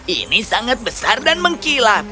ini sangat besar dan mengkilap